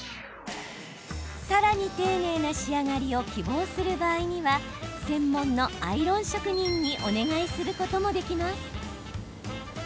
さらに丁寧な仕上がりを希望する場合には専門のアイロン職人にお願いすることもできます。